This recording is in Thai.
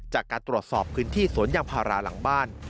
จากการตรวจสอบพื้นที่สวนยางพาราหลังบ้าน